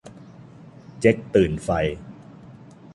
เจ๊กตื่นไฟ